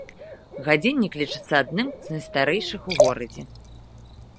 Гадзіннік лічыцца адным з найстарэйшых у горадзе.